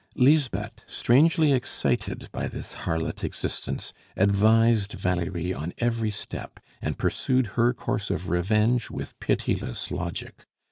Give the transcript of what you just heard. Lisbeth, strangely excited by this harlot existence, advised Valerie on every step, and pursued her course of revenge with pitiless logic.